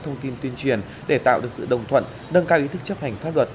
thông tin tuyên truyền để tạo được sự đồng thuận nâng cao ý thức chấp hành pháp luật